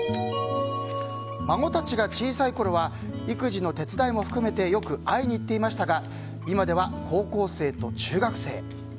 孫たちが小さいころは育児の手伝いも含めてよく会いに行ってましたが今では高校生と中学生。